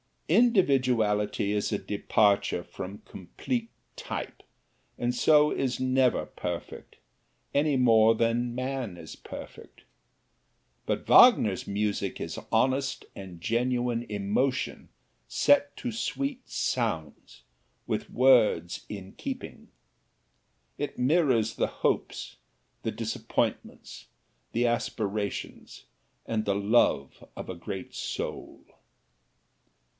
Individuality is a departure from a complete type, and so is never perfect, any more than man is perfect. But Wagner's music is honest and genuine emotion set to sweet sounds, with words in keeping. It mirrors the hopes, the disappointments, the aspirations and the love of a great soul.